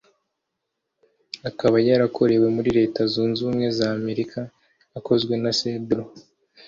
akaba yarakorewe muri Leta Zunze Ubumwe za Amerika akozwe na Cedru